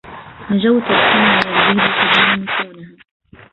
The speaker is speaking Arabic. نجوت القنا والبيض تدمى متونها